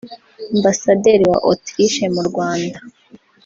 Ambasaderi wa Autriche mu Rwanda